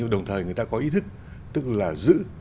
đã có ý thức tức là giữ